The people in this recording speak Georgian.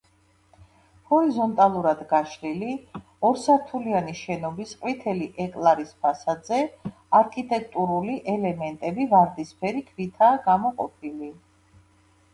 ჰორიზონტალურად გაშლილი, ორსართულიანი შენობის ყვითელი ეკლარის ფასადზე არქიტექტურული ელემენტები ვარდისფერი ქვითაა გამოყოფილი.